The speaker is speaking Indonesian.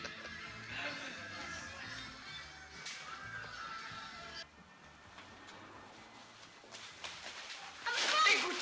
teguh cengit tikus